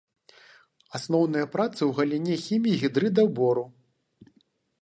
Асноўныя працы ў галіне хіміі гідрыдаў бору.